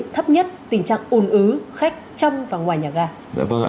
thực hiện đúng quy định về cây khai giá